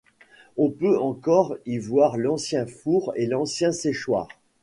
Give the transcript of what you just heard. On peut encore y voir l'ancien four et l'ancien séchoir.